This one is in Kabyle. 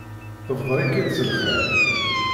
Tebder-ik-id s lxir.